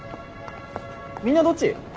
みんなどっち？